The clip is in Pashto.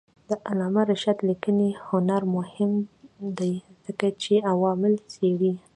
د علامه رشاد لیکنی هنر مهم دی ځکه چې عوامل څېړي.